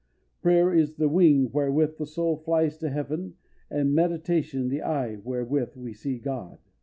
Prayer is the wing wherewith the soul flies to heaven, and meditation the eye wherewith we see God.